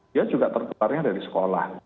dia juga tertularnya dari sekolah